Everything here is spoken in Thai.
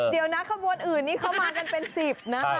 เดี๋ยวนะขบวนอื่นนี้เขามากันเป็น๑๐นะ